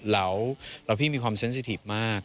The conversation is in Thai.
แล้วพี่มีความเซ็นสิทีฟมาก